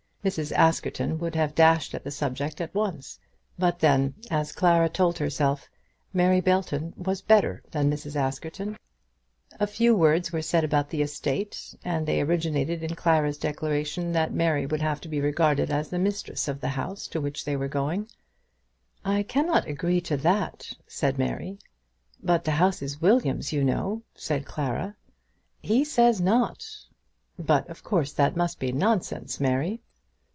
Mrs. Askerton would have dashed at the subject at once; but then, as Clara told herself, Mary Belton was better than Mrs. Askerton. A few words were said about the estate, and they originated in Clara's declaration that Mary would have to be regarded as the mistress of the house to which they were going. "I cannot agree to that," said Mary. "But the house is William's, you know," said Clara. "He says not." "But of course that must be nonsense, Mary."